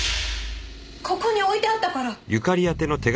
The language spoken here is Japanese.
ここに置いてあったから。